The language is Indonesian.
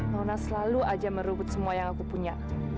nona selalu aja merubut semua yang aku punya